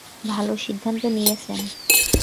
ভালো সিদ্ধান্ত নিয়েছেন!